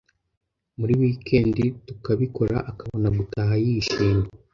muri week end tukabikora akabona gutaha yishimye